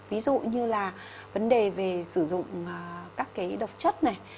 ví dụ như là vấn đề về sử dụng các cái độc chất này